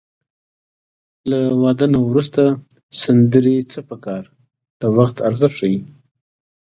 له واده نه وروسته سندرې څه په کار د وخت ارزښت ښيي